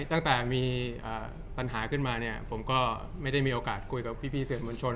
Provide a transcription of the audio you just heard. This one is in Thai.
ตั้งแต่มีปัญหาขึ้นมาเนี่ยผมก็ไม่ได้มีโอกาสคุยกับพี่สื่อมวลชน